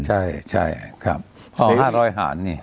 ใช่ครับใน๕๐๐หารนี่